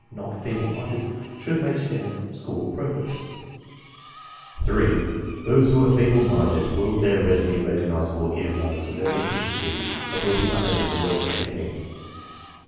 not feeble minded) should make standard school progress; (3) those who are feeble minded will bear readily rec ognizable ear marks of their deficiency and will be un able to learn anything.